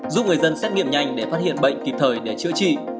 giúp người dân xét nghiệm nhanh để phát hiện bệnh kịp thời để chữa trị